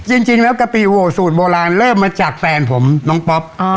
จริงแล้วกะปิโหวสูตรโบราณเริ่มมาจากแฟนผมน้องป๊อป